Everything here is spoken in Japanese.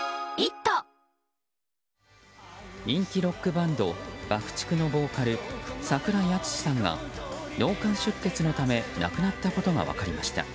人気ロックバンドＢＵＣＫ‐ＴＩＣＫのボーカル櫻井敦司さんが脳幹出血のため亡くなったことが分かりました。